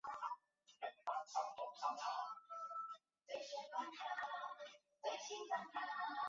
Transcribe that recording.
他曾参与法国宪法的制订工作。